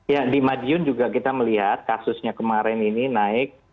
ya di madiun juga kita melihat kasusnya kemarin ini naik